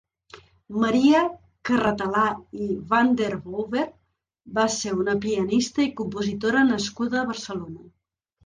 Maria Carratalà i Van den Wouver va ser una pianista i compositora nascuda a Barcelona.